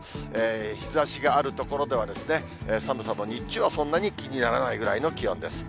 日ざしがある所では、寒さも日中はそんなに気にならないぐらいの気温です。